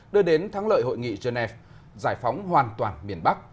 đưa đến thắng lợi hội nghị genève giải phóng hoàn toàn miền bắc